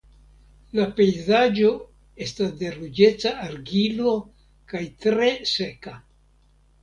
La pejzaĝo estas de ruĝeca argilo kaj tre seka.